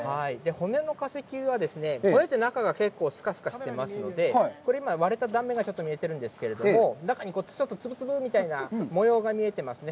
骨の化石は中がすかすかしていますので、これ割れた断面が見えてるんですけど、中にちょっとつぶつぶみたいな模様が見えてますね。